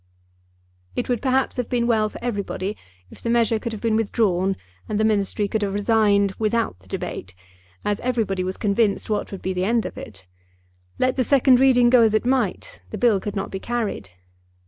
It would perhaps have been well for everybody if the measure could have been withdrawn and the Ministry could have resigned without the debate, as everybody was convinced what would be the end of it. Let the second reading go as it might, the Bill could not be carried.